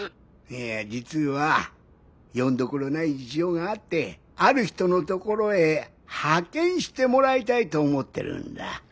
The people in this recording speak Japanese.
いや実はよんどころない事情があってある人のところへ派遣してもらいたいと思ってるんだ。